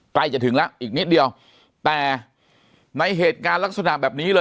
ใกล้จะถึงแล้วอีกนิดเดียวแต่ในเหตุการณ์ลักษณะแบบนี้เลย